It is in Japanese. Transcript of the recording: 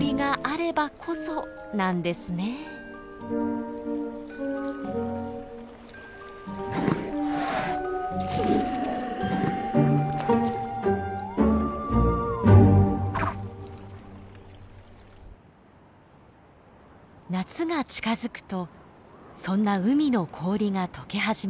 夏が近づくとそんな海の氷がとけ始めます。